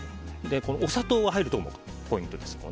お砂糖が入るところもポイントです。